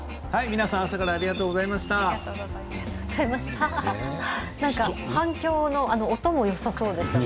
皆さん朝からありがとうございました。